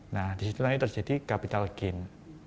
nah di situ nanti terjadi capital gain